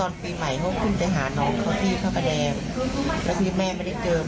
บอกแม่ไปรักษาตัวก่อนนะเดี๋ยวเบิร์ดว่างแล้วเบิร์ดสมมุมไปหรือไม่